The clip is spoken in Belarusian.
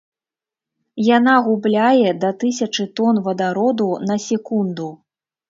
Яна губляе да тысячы тон вадароду на секунду.